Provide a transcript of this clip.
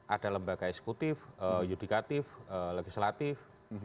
ada lembaga eksekutif yudikatif legislatif